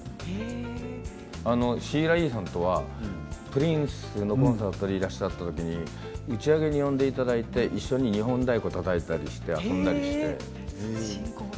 シーラ・Ｅさんとはプリンスのコンサートでいらした時に打ち上げに呼んでいただいて一緒に日本太鼓をたたいたりして遊んだりして。